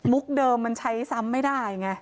เดิมมันใช้ซ้ำไม่ได้ไง